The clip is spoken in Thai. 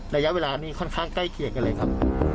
ระยะเวลานี้ค่อนข้างใกล้เคียงกันเลยครับ